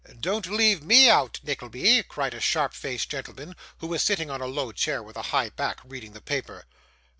'Don't leave me out, Nickleby,' cried a sharp faced gentleman, who was sitting on a low chair with a high back, reading the paper.